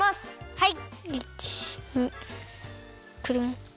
はい！